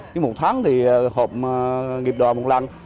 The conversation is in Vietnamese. nhưng một tháng thì hộp nghiệp đoàn một lần